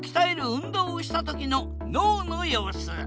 運動をした時の脳の様子。